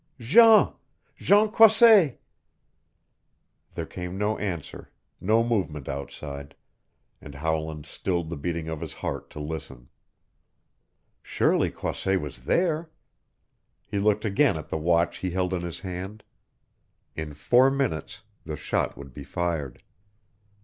"Jean Jean Croisset " There came no answer, no movement outside, and Howland stilled the beating of his heart to listen. Surely Croisset was there! He looked again at the watch he held in his hand. In four minutes the shot would be fired.